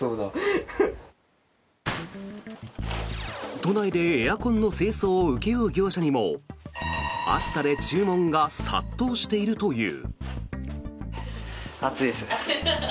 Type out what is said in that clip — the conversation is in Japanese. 都内でエアコンの清掃を請け負う業者にも暑さで注文が殺到しているという。